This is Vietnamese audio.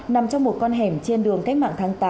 nằm trong một con hẻm trên đường cách mạng tháng tám